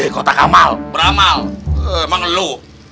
kota kamal bramal emang lu